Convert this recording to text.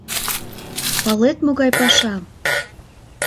— Палет, могай паша!